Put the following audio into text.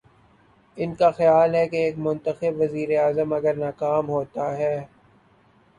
ان کا خیال ہے کہ ایک منتخب وزیراعظم اگر ناکام ہو تا ہے۔